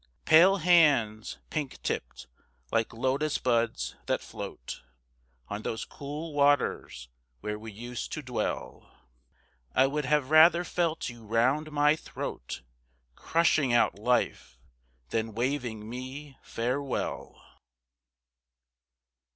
Pale hands, pink tipped, like Lotus buds that float On those cool waters where we used to dwell, I would have rather felt you round my throat, Crushing out life, than waving me farewell!